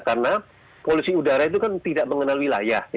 karena polusi udara itu kan tidak mengenal wilayah